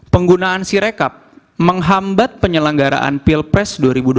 penggunaan sirekap menghambat penyelenggaraan pilpres dua ribu dua puluh